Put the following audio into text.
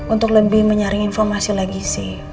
untuk lebih menyaring informasi lagi sih